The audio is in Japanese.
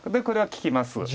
これは利きます。